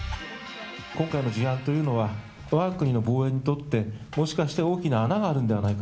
今回の事案というのは、わが国の防衛にとって、もしかして大きな穴があるんではないか。